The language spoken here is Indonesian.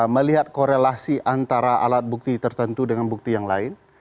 melihat korelasi antara alat bukti tertentu dengan bukti yang lain